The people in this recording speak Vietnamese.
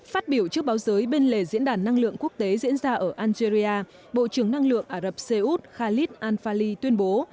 phát biểu trước báo giới bên lề diễn đàn năng lượng quốc tế diễn ra ở algeria bộ trưởng năng lượng ả rập xê út khalid al fali tuyên bố